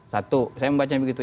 satu saya membacanya begitu